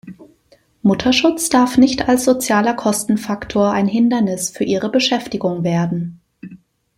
Mutterschutz darf nicht als sozialer Kostenfaktor ein Hindernis für ihre Beschäftigung werden.